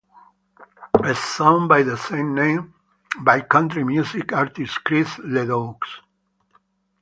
A song by the same name by country music artist Chris LeDoux.